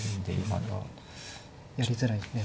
やりづらいですね。